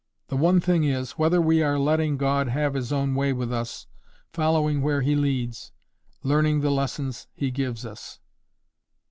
The one thing is, whether we are letting God have His own way with us, following where He leads, learning the lessons He gives us.